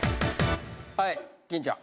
はい金ちゃん。